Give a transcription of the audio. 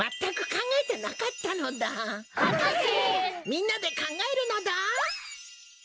みんなでかんがえるのだ。